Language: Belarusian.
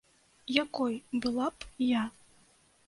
Якой была б я?